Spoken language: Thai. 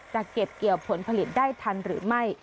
เก็บเกี่ยวผลผลิตได้ทันหรือไม่